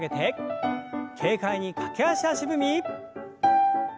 軽快に駆け足足踏み。